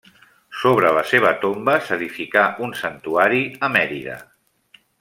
Sobre la seva tomba s'edificà un santuari, a Mèrida.